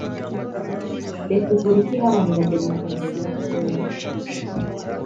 Repubulika iharanira Demokarasi ya Congo